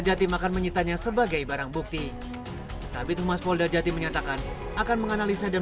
jati makan menyitanya sebagai barang bukti tapi thomas polda jati menyatakan akan menganalisa dan